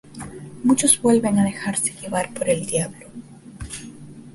muchos vuelven a dejarse llevar por el diablo